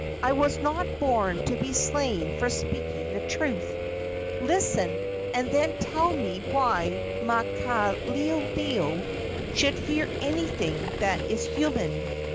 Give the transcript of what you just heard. I was not born to be slain for speaking the truth. Listen, and then tell me why Maukaleoleo should fear anything that is human.